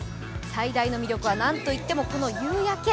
最大の魅力はなんといってもこの夕焼け。